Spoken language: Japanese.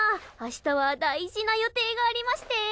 明日は大事な予定がありまして。